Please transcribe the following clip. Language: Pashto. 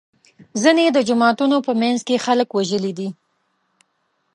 ځینې د جوماتونو په منځ کې خلک وژلي دي.